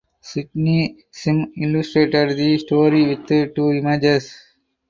Sidney Sime illustrated the story with two images.